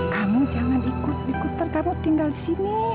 kamu jangan ikut ikutan kamu tinggal disini